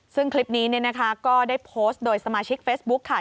ซึ่งคลิปนี้เนี่ยนะคะก็ได้โพสต์โดยสมาชิกเฟซบุ๊คค่ะ